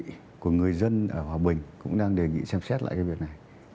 kỳ của người dân ở hòa bình cũng đang đề nghị xem xét lại cái việc này